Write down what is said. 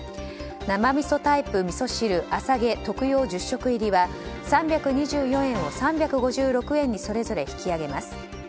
「生みそタイプみそ汁あさげ徳用１０食入り」は３２４円を３５６円にそれぞれ引き上げます。